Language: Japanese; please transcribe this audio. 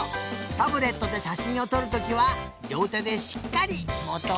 タブレットでしゃしんをとるときはりょうてでしっかりもとうね。